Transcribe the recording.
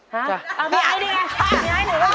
ฮะเอาพี่ไอ้ดินี่ครับนะฮะ